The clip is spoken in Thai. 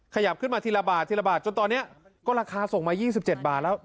ขยับขึ้นมาทีละบาททีละบาทจนตอนนี้ก็ราคาส่งมา๒๗บาทแล้ว